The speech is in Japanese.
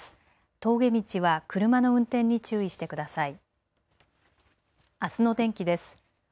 峠道は車の運転に注意してください。